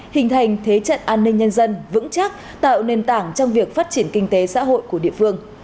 hình thành thế trận an ninh nhân dân vững chắc tạo nền tảng trong việc phát triển kinh tế xã hội của địa phương